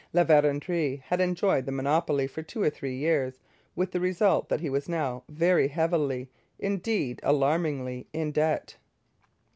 La Vérendrye had enjoyed the monopoly for two or three years with the result that he was now very heavily, indeed alarmingly, in debt.